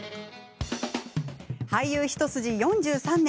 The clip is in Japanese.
俳優一筋４３年。